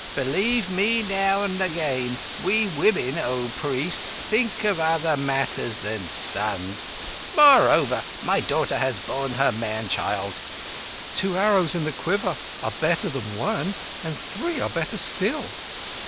"Believe me, now and again, we women, O priest, think of other matters than sons. Moreover, my daughter has borne her man child." "Two arrows in the quiver are better than one; and three are better still."